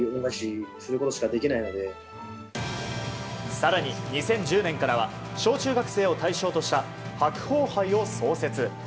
更に、２０１０年からは小中学生を対象とした白鵬杯を創設。